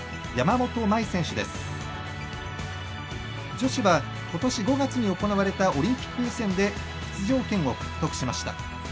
女子はことし５月に行われたオリンピック予選で出場権を獲得しました。